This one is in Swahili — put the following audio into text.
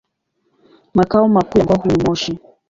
Makao makuu ya mkoa huu ni Moshi.